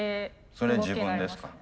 それ自分ですか？